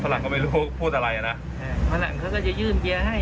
อ๋อฝรั่งก็ไม่รู้พูดอะไรอ่ะน่ะฝรั่งเขาก็จะยื่นเบียร์ให้